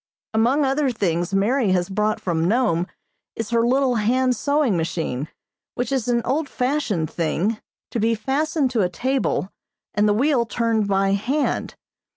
Among other things Mary has brought from Nome is her little hand sewing machine, which is an old fashioned thing, to be fastened to a table and the wheel turned by hand.